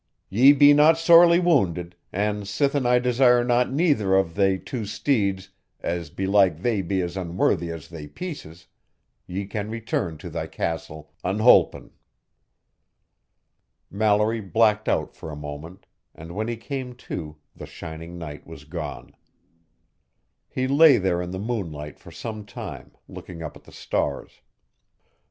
"Ye be not sorely wounded, and sithen I desire not neither of they two steeds, as belike they be as unworthy as they pieces, ye can return to thy castle unholpen." Mallory blacked out for a moment, and when he came to, the shining knight was gone. He lay there in the moonlight for some time, looking up at the stars.